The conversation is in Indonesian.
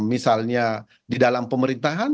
misalnya di dalam pemerintahan